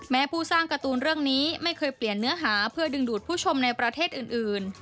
ผู้สร้างการ์ตูนเรื่องนี้ไม่เคยเปลี่ยนเนื้อหาเพื่อดึงดูดผู้ชมในประเทศอื่น